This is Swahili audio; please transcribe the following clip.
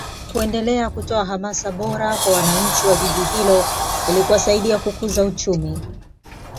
kuendelea kutoa hamasa bora kwa wananchi wa Jiji hilo ili kuwasaidia kukuza uchumi